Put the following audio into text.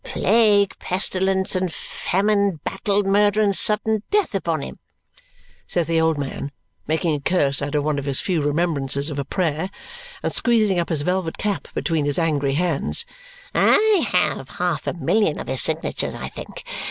Plague pestilence and famine, battle murder and sudden death upon him," says the old man, making a curse out of one of his few remembrances of a prayer and squeezing up his velvet cap between his angry hands, "I have half a million of his signatures, I think!